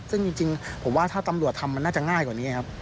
ซึ่งจริงผมว่าถ้าตำรวจทำมันน่าจะง่ายกว่านี้ครับ